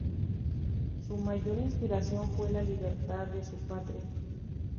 Su mayor inspiración fue la libertad de su patria.